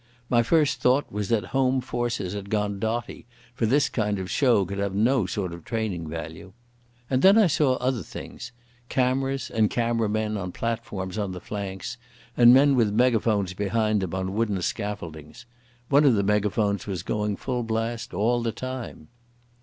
My first thought was that Home Forces had gone dotty, for this kind of show could have no sort of training value. And then I saw other things—cameras and camera men on platforms on the flanks, and men with megaphones behind them on wooden scaffoldings. One of the megaphones was going full blast all the time.